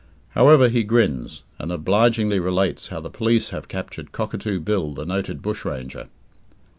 However, he grins, and obligingly relates how the police have captured Cockatoo Bill, the noted bushranger.